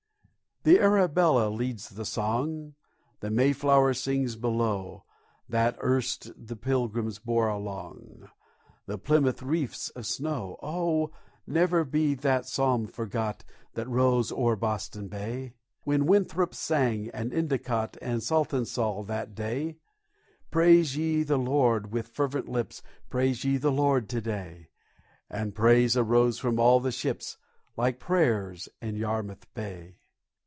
The Arabella leads the song The Mayflower sings below, That erst the Pilgrims bore along The Plymouth reefs of snow. Oh! never be that psalm forgot That rose o'er Boston Bay, When Winthrop sang, and Endicott, And Saltonstall, that day: "Praise ye the Lord with fervent lips, Praise ye the Lord to day;" And praise arose from all the ships, Like prayers in Yarmouth Bay.